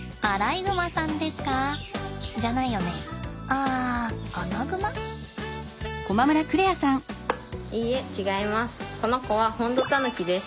いいえ違います。